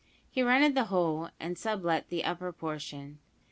He rented the whole, and sublet the upper portion.